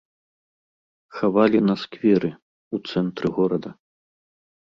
Хавалі на скверы, у цэнтры горада.